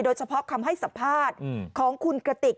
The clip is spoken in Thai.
โดยเฉพาะคำให้สัมภาษณ์ของคุณกระติก